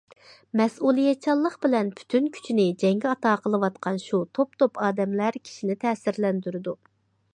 مەسئۇلىيەتچانلىق بىلەن پۈتۈن كۈچىنى جەڭگە ئاتا قىلىۋاتقان شۇ توپ- توپ ئادەملەر كىشىنى تەسىرلەندۈرىدۇ.